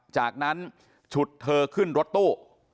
จากนั้นฉุดเธอขึ้นรถตู้